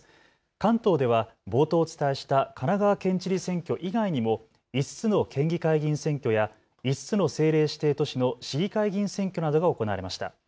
関東では冒頭お伝えした神奈川県知事選挙以外にも５つの県議会議員選挙や５つの政令指定都市の市議会議員選挙などが行われました。